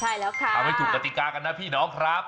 ใช่แล้วค่ะทำให้ถูกกติกากันนะพี่น้องครับ